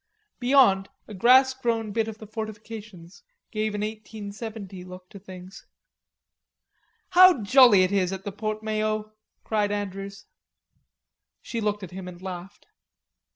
Beyond, a grass grown bit of fortifications gave an 1870 look to things. "How jolly it is at the Porte Maillot!" cried Andrews. She looked at him and laughed.